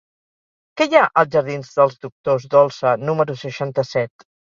Què hi ha als jardins dels Doctors Dolsa número seixanta-set?